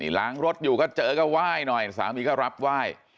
นี่ล้างรถอยู่ก็เจอก็ว่ายหน่อยสามีก็รับว่าย